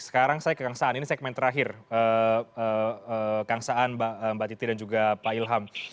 sekarang saya ke kang saan ini segmen terakhir kang saan mbak titi dan juga pak ilham